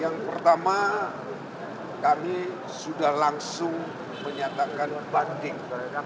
yang pertama kami sudah langsung menyatakan banding